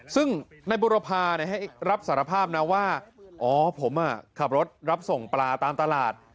ซึ่งในบุรพาให้รับสารภาพนะว่าอ๋อผมขับรถรับส่งปลาตามตลาด